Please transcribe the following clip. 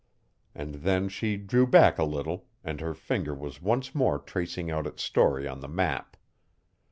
And then she drew back a little, and her finger was once more tracing out its story on the map.